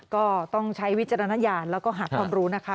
ก็ต้องใช้วิจารณญาณแล้วก็หาความรู้นะคะ